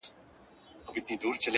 كله توري سي،